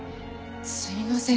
すみません